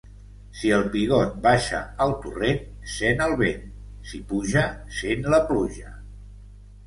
Si el pigot baixa al torrent, sent el vent; si puja, sent la pluja.